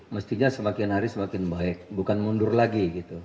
mestinya semakin hari semakin baik bukan mundur lagi gitu